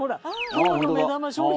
「今日の目玉商品！！」